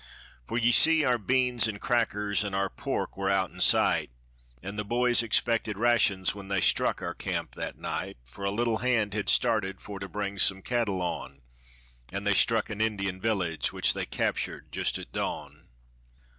For ye see our beans an' crackers an' our pork were outen sight, An' the boys expected rashuns when they struck our camp that night; For a little hand had started for to bring some cattle on, An' they struck an Indian village, which they captured just at dawn.